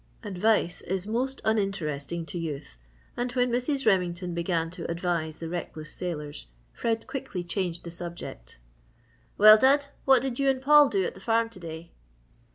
Advice is most uninteresting to youth and when Mrs. Remington began to advise the reckless sailors, Fred quickly changed the subject. "Well, Dud what did you and Paul do at the farm to day?"